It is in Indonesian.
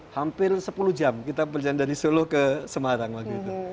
hampir sepuluh jam kita berjalan dari solo ke semarang waktu itu